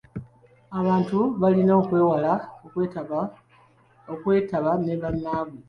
Abantu balina okwewala okwetaba ne bannaabwe.